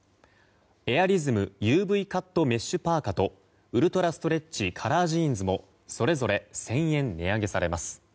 エアリズムＵＶカットメッシュパーカとウルトラストレッチカラージーンズもそれぞれ１０００円値上げされます。